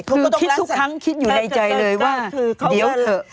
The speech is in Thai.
คือคิดทุกครั้งคิดอยู่ในใจเลยว่าเดี๋ยวเถอะ